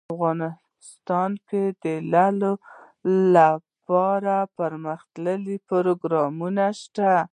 افغانستان کې د لعل لپاره دپرمختیا پروګرامونه شته.